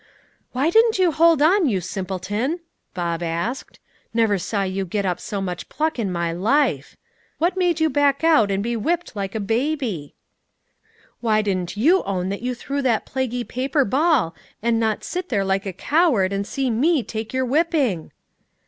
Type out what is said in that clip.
"Why didn't you hold on, you simpleton?" Bob asked. "Never saw you get up so much pluck in my life. What made you back out, and be whipped like a baby?" "Why didn't you own that you threw that plaguy paper ball, and not sit there like a coward, and see me take your whipping?"